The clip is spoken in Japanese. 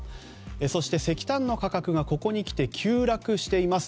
そして、石炭の価格がここにきて急落しています。